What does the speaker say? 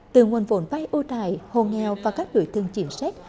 từ nguồn vốn vai ốc đại hồ nghèo và các lưỡi thương chiến sách